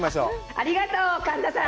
ありがとう、神田さん。